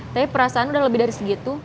tapi perasaan udah lebih dari segitu